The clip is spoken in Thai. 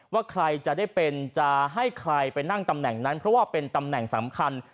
ว่าใครจะได้เป็นจะให้ใครไปนั่งตำแหน่งนั้นเพราะว่าเป็นตำแหน่งสำคัญ